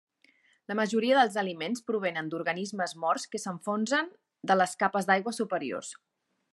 La majoria dels aliments provenen d'organismes morts que s'enfonsen de les capes d'aigua superiors.